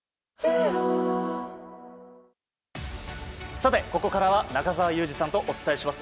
さて、ここからは中澤佑二さんとお伝えします。